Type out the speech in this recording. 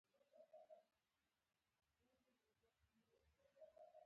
د ارغستان د پاڅون په باره کې راسره غږېده.